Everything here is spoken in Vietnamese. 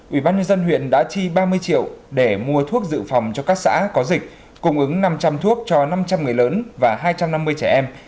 ubnd huyện đã chi ba mươi triệu để mua thuốc dự phòng cho các xã có dịch cung ứng năm trăm linh thuốc cho năm trăm linh người lớn và hai trăm năm mươi trẻ em